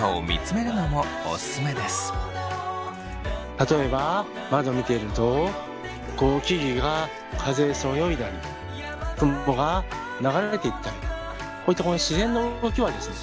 例えば窓を見てると木々が風でそよいだり雲が流れていったりこういった自然の動きはですね